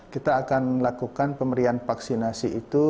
kita akan lakukan pemberian vaksinasi itu